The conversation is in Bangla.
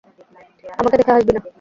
আমাকে দেখে হাসবি না।